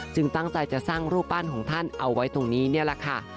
ตั้งใจจะสร้างรูปปั้นของท่านเอาไว้ตรงนี้นี่แหละค่ะ